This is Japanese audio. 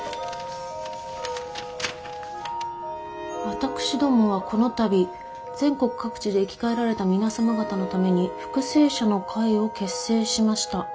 「私どもはこの度全国各地で生き返られた皆様方のために復生者の会を結成しました。